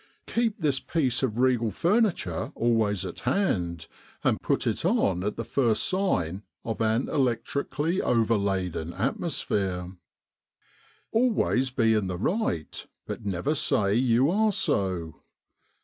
Keep this piece of regal furniture always at hand, and put it on at the first sign of an electrically overladen atmosphere. " Always be in the right, but never say you are so.